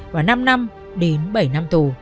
và năm năm đến bảy năm tù